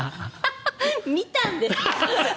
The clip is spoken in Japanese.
見たんですか？